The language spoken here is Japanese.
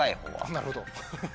なるほど。